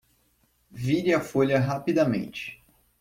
Vire a folha rapidamente